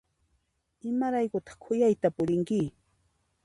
Imaraykutaq khuyayta purinki?